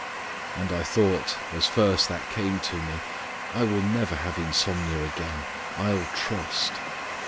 And I thought, as first that came to me, "I never will have insomnia again: I'll trust."